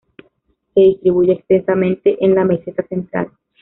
Se distribuye extensamente en la meseta central.